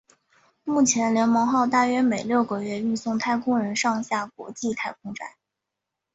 目前联盟号大约每六个月运送太空人上下国际太空站。